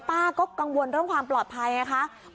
ป้าก็กังวลเรื่องความปลอดภัยไงคะ